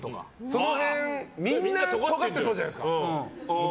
その辺、みんなとがってそうじゃないですか。